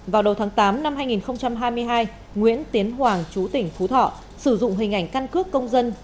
vào đầu tháng tám năm hai nghìn hai mươi hai nguyễn tiến hoàng chú tỉnh phú thọ sử dụng hình ảnh căn cước công dân